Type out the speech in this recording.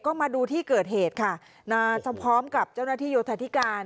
ก็มาดูที่เกิดเหตุค่ะมาพร้อมกับเจ้าหน้าที่โยธาธิการ